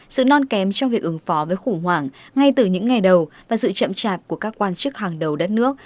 sự non kém trong việc ứng phó với khủng hoảng ngay từ những ngày đầu và sự chậm chạp của các quan chức hàng đầu đất nước